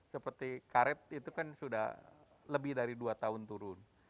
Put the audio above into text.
seperti karet itu kan sudah lebih dari dua tahun turun